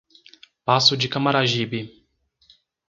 Passo de Camaragibe